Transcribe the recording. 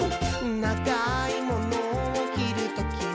「ながいモノをきるときは、」